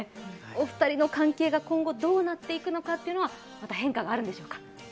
お二人の関係が今後どうなっていくのかというのはまた、変化があるんでしょうか。